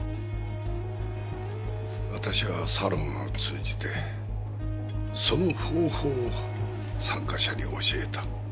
私はサロンを通じてその方法を参加者に教えた。